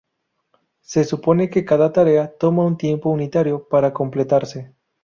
Se supone que cada tarea toma un tiempo unitario para completarse.